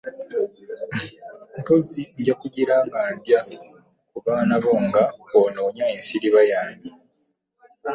Mpozzi nja kugira nga ndya ku baana bo nga bw’onoonya ensiriba yange.